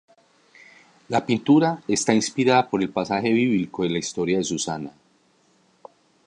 La pintura está inspirada por el pasaje bíblico de la historia de Susana.